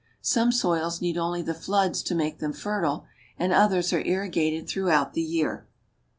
Some soils need only the floods to make them fertile and others are irrigated throughout the year.